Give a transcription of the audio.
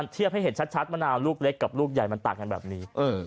เทียบให้เห็นชัดมะนาวลูกเล็กกับลูกใหญ่มันต่างกันแบบนี้